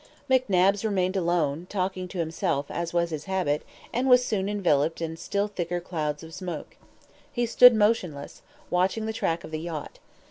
McNabbs remained alone, talking to himself, as was his habit, and was soon enveloped in still thicker clouds of smoke. He stood motionless, watching the track of the yacht.